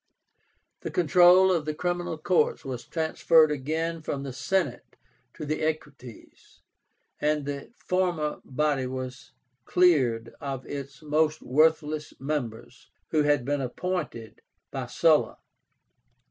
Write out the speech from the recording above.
The control of the criminal courts was transferred again from the Senate to the Equites, and the former body was cleared of its most worthless members, who had been appointed by Sulla.